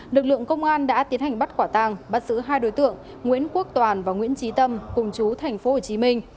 lực lượng công an đã tiến hành bắt quả tàng bắt giữ hai đối tượng nguyễn quốc toàn và nguyễn trí tâm cùng chú thành phố hồ chí minh